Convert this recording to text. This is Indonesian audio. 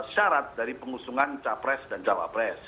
syarat dari pengusungan capres dan cawapres